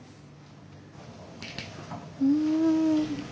うん。